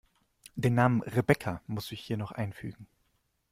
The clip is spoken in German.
Den Namen Rebecca muss ich hier noch einfügen.